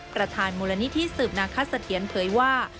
ประธานมูลนิธิสืบนาคสะเทียนเผยว่า